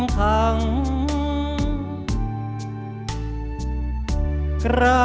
เพลงพร้อมร้องได้ให้ล้าน